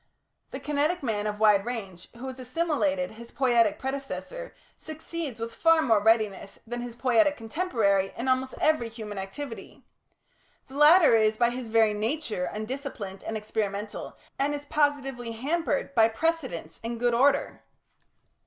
The kinetic man of wide range, who has assimilated his poietic predecessor, succeeds with far more readiness than his poietic contemporary in almost every human activity. The latter is by his very nature undisciplined and experimental, and is positively hampered by precedents and good order.